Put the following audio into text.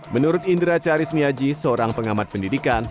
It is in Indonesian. menurut indra carismiaji seorang pengamat pendidikan